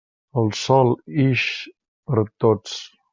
El sol ix per a tots.